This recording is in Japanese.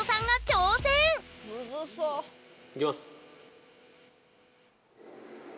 いきます！